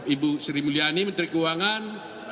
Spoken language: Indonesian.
ibu sri mulyani menteri keuangan